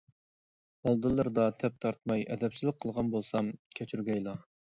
ئالدىلىرىدا تەپ تارتماي ئەدەپسىزلىك قىلغان بولسام كەچۈرگەيلا.